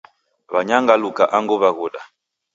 Wanyangaluka angu waghuda.